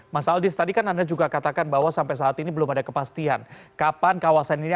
mas aldis tadi kan anda juga katakan bahwa sampai saat ini belum ada kepastian kapan kawasan ini